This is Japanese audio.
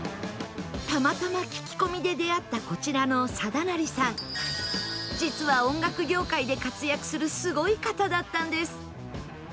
たまたま聞き込みで出会ったこちらの定成さん実は音楽業界で活躍するすごい方だったんです